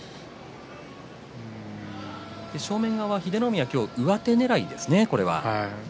正面側、英乃海は今日は上手ねらいです。